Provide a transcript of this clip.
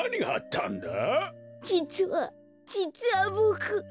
じつはじつはボク。